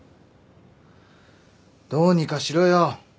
どうにかしろよ。